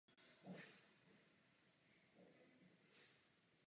Clash tak začali víc než měsíc velmi intenzivně zkoušet.